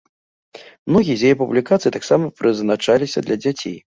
Многія з яе публікацый таксама прызначаліся для дзяцей.